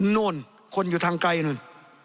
โน่นคนอยู่ทางไกลนู่น